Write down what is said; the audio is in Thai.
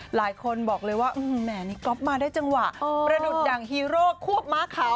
หลายคนบอกเลยว่าแหมนี่ก๊อฟมาได้จังหวะประดุษอย่างฮีโร่ควบม้าขาว